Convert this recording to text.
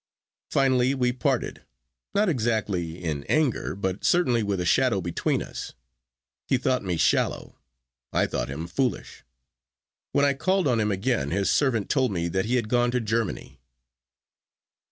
Finally we parted, not exactly in anger, but certainly with a shadow between us. He thought me shallow, I thought him foolish. When I called on him again his servant told me that he had gone to Germany.